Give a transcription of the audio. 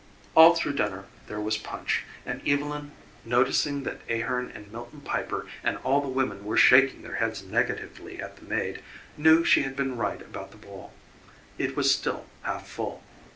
All through dinner there was punch, and Evylyn, noticing that Ahearn and Milton Piper and all the women were shaking their heads negatively at the maid, knew she had been right about the bowl; it was still half full.